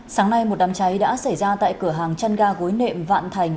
sáng nay một đám cháy đã xảy ra tại cửa hàng chăn ga gối nệm vạn thành